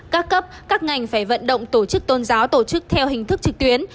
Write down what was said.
các cấp các ngành phải vận động tổ chức tôn giáo tổ chức theo hình thức trực tuyến